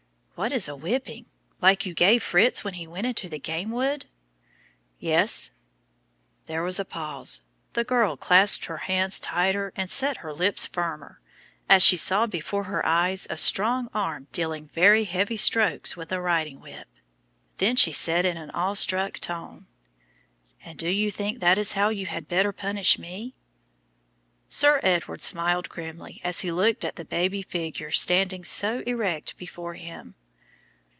"What is a whipping like you gave Fritz when he went into the game wood?" "Yes." There was a pause. The child clasped her little hands tighter, and set her lips firmer, as she saw before her eyes a strong arm dealing very heavy strokes with a riding whip. Then she said in an awe struck tone, "And do you think that is how you had better punish me?" Sir Edward smiled grimly as he looked at the baby figure standing so erect before him.